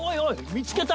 見つけた！